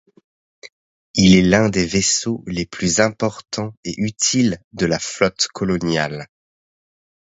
Il est l'un des vaisseaux les plus importants et utiles de la Flotte coloniale.